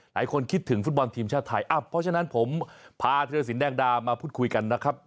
คิดถึงฟุตบอลทีมชาติไทยเพราะฉะนั้นผมพาธิรสินแดงดามาพูดคุยกันนะครับ